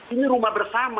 ini rumah bersama